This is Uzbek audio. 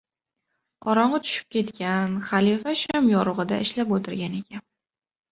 Qorongʻi tushib qolgan, xalifa sham yorugʻida ishlab oʻtirgan ekan.